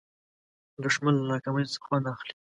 دښمن له ناکامۍ خوند اخلي